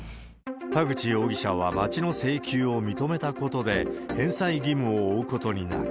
田口容疑者は町の請求を認めたことで、返済義務を負うことになる。